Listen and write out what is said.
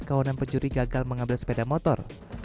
kawanan pencuri gagal mengambil sepeda motor